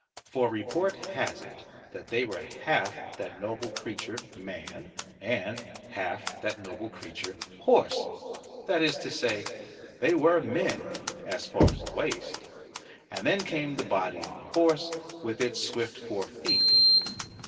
For report has it that they were half that noble creature man, and half that noble creature horse: that is to say, they were men as far as the waist, and then came the body of the horse with its swift four feet.